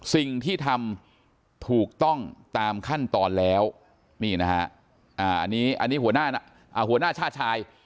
สิ่งที่ทำถูกต้องตามขั้นตอนแล้วนี่นะฮะอันนี้หัวหน้าชาติชาย